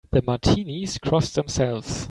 The Martinis cross themselves.